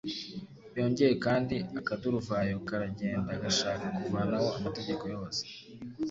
Byongeye kandi, akaduruvayo karagenda gashaka kuvanaho amategeko yose,